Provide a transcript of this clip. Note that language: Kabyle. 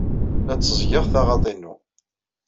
La tteẓẓgeɣ taɣaḍt-inu.